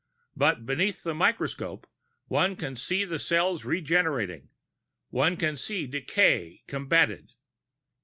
But beneath the microscope, one can see the cells regenerating, one can see decay combated...."